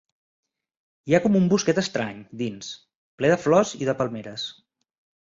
Hi ha com un bosquet estrany, dins, ple de flors i de palmeres.